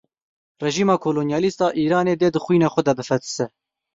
Rejima kolonyalîst a Îranê dê di xwîna xwe de bifetise!